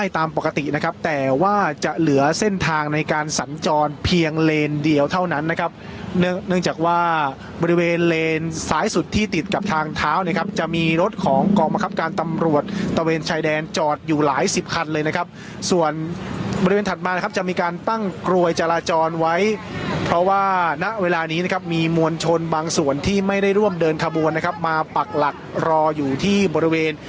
ตามปกตินะครับแต่ว่าจะเหลือเส้นทางในการสัญจรเพียงเลนเดียวเท่านั้นนะครับเนื่องจากว่าบริเวณเลนซ้ายสุดที่ติดกับทางเท้านะครับจะมีรถของกองบังคับการตำรวจตะเวนชายแดนจอดอยู่หลายสิบคันเลยนะครับส่วนบริเวณถัดมานะครับจะมีการตั้งกลวยจราจรไว้เพราะว่าณเวลานี้นะครับมีมวลชนบางส่วนที่ไม่ได้ร่วมเดินขบวนนะครับมาปักหลักรออยู่ที่บริเวณ